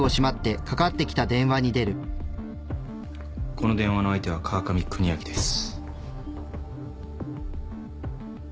この電話の相手は川上邦明です。